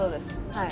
はい